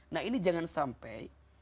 nah ini jangan sampai